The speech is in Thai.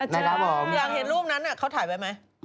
ในรับบอกอยากเห็นรูปนั้นอะเขาถ่ายไว้ไหม